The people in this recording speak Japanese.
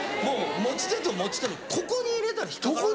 持ち手と持ち手のここに入れたら引っかからない。